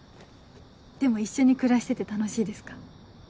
でも一緒に暮らしてて楽しいですか？